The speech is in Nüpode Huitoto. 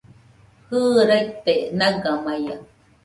Jɨ, raite nagamaiaɨ